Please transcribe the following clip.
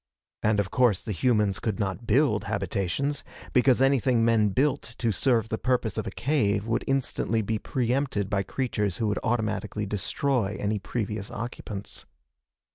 And of course the humans could not build habitations, because anything men built to serve the purpose of a cave would instantly be preempted by creatures who would automatically destroy any previous occupants.